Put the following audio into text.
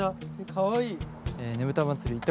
かわいい。